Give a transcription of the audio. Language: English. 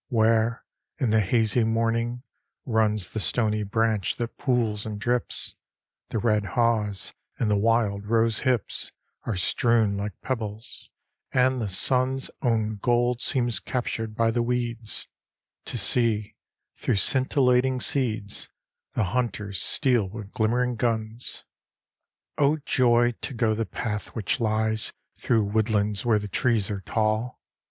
Where, in the hazy morning, runs The stony branch that pools and drips, The red haws and the wild rose hips Are strewn like pebbles; and the sun's Own gold seems captured by the weeds; To see, through scintillating seeds, The hunters steal with glimmering guns! Oh, joy, to go the path which lies Through woodlands where the trees are tall!